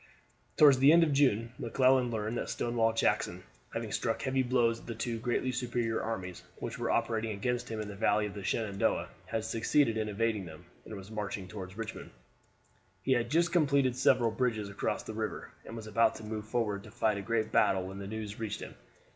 Toward the end of June McClellan learned that Stonewall Jackson, having struck heavy blows at the two greatly superior armies which were operating against him in the valley of the Shenandoah, had succeeded in evading them, and was marching toward Richmond. He had just completed several bridges across the river, and was about to move forward to fight a great battle when the news reached him.